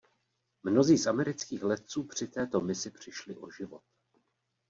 Mnozí z amerických letců při této misi přišli o život.